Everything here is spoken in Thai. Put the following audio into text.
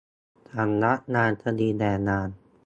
สำนักงานคดีแรงงาน